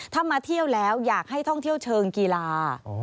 ถ้ามาเที่ยวแล้วอยากให้ท่องเที่ยวเชิงกีฬา